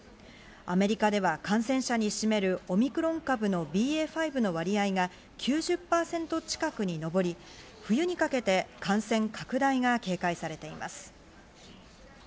アメリカでは感染者に占めるオミクロン株のＢＡ．５の割合が９０％近くに上り、冬にかけて感染拡大が警戒されています。